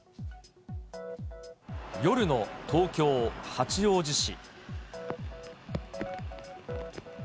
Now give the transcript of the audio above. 夜の東京・八王子市。